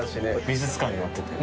美術館になってて。